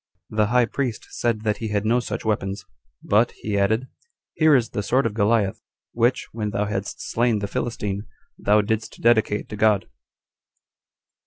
The high priest said that he had no such weapons; but, he added, "Here is the sword of Goliath, which, when thou hadst slain the Philistine, thou didst dedicate to God."